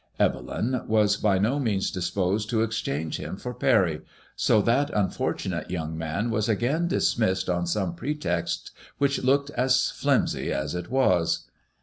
Evelyn was by no means disposed to exchange him for Parry, so that unfortunate young man was again dismissed on some pretext which looked as flimsy as it was.